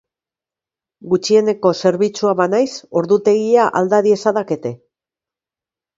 Gutxieneko zerbitzua banaiz, ordutegia alda diezadakete?